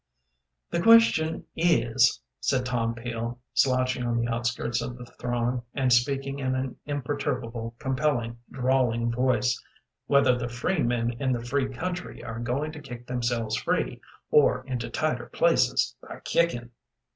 "The question is," said Tom Peel, slouching on the outskirts of the throng, and speaking in an imperturbable, compelling, drawling voice, "whether the free men in the free country are going to kick themselves free, or into tighter places, by kicking."